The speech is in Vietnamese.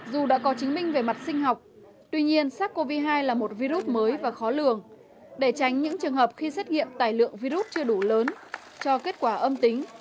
dù đã có chứng minh về mặt sinh học tuy nhiên sars cov hai là một virus mới và khó lường để tránh những trường hợp khi xét nghiệm tài lượng virus chưa đủ lớn cho kết quả âm tính